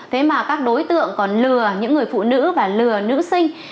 thế mà các đối tượng còn lừa những người phụ nữ và lừa nữ sinh